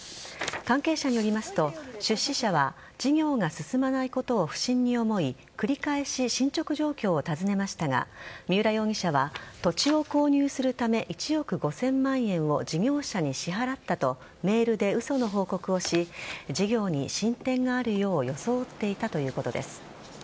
関係者によりますと出資者は事業が進まないことを不審に思い繰り返し進捗状況を尋ねましたが三浦容疑者は土地を購入するため１億５０００万円を事業者に支払ったとメールで嘘の報告をし事業に進展があるよう装っていたということです。